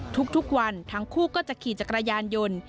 ทุกวันทั้งคู่ก็จะขี่จักรยานยนต์